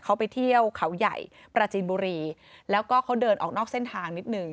เขาไปเที่ยวเขาใหญ่ปราจีนบุรีแล้วก็เขาเดินออกนอกเส้นทางนิดหนึ่ง